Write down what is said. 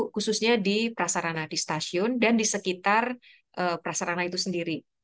khususnya di prasarana di stasiun dan di sekitar prasarana itu sendiri